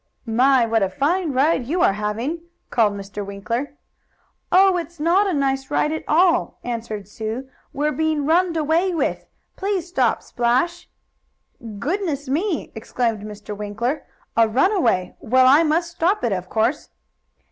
"My! What a fine ride you are having!" called Mr. Winkler. "Oh! It's not a nice ride at all!" answered Sue. "We're being runned away with! Please stop Splash!" "Goodness me!" exclaimed Mr. Winkler. "A runaway! Well, I must stop it, of course!"